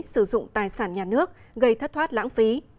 sử dụng tài sản nhà nước gây thất thoát lãng phí